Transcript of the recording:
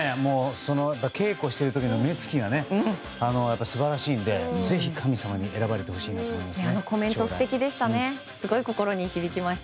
稽古している時の目つきが素晴らしいんでぜひ神様に選ばれてほしいなと思います。